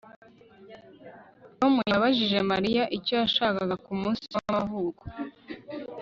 Tom yabajije Mariya icyo yashakaga kumunsi wamavuko